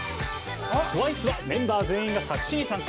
ＴＷＩＣＥはメンバー全員が作詞に参加。